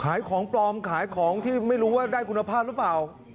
ขายของปลอมขายของที่ไม่รู้ว่าได้คุณภาพหรือเปล่า